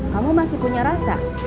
kamu masih punya rasa